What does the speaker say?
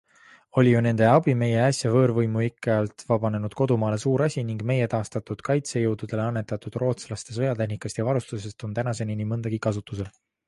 Oli ju nende abi meie äsja võõrvõimu ikke alt vabanenud kodumaale suur asi ning meie taastatud kaitsejõududele annetatud rootslaste sõjatehnikast ja -varustusest on tänaseni nii mõndagi kasutusel.